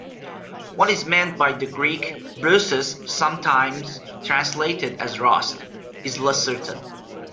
What is meant by the Greek, "brosis", sometimes translated as "rust," is less certain.